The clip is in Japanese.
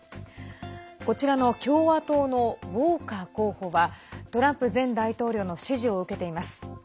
こちらの共和党のウォーカー候補はトランプ前大統領の支持を受けています。